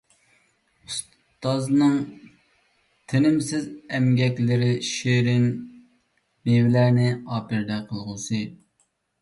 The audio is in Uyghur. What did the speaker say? ئۇستازنىڭ تىنىمسىز ئەمگەكلىرى شېرىن مېۋىلەرنى ئاپىرىدە قىلغۇسى!